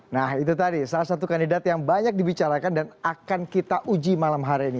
nah itu tadi salah satu kandidat yang banyak dibicarakan dan akan kita uji malam hari ini